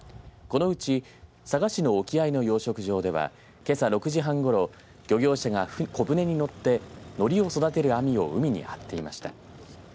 このうち佐賀市の沖合の養殖場ではけさ６前半ごろ漁業者が小舟に乗ってのりを育てる網を海に張っていました。